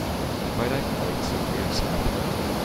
Twilight makes you feel sad.